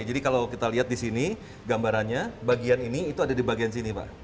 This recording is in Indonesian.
jadi kalau kita lihat di sini gambarannya bagian ini itu ada di bagian sini pak